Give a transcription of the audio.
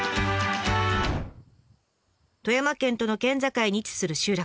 富山県との県境に位置する集落。